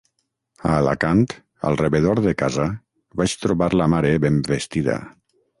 A Alacant, al rebedor de casa, vaig trobar la mare ben vestida.